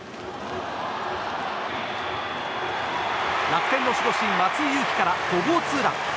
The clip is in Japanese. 楽天の守護神松井裕樹から５号ツーラン。